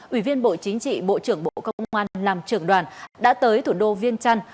ủy viên bộ chính trị bộ trưởng bộ công an làm trưởng đoàn đã tới thủ đô viên trăn